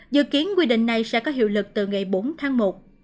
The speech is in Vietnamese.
dự kiến quy định này sẽ có hiệu lực từ ngày bốn tháng một